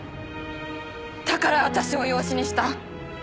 だから私を養子にした。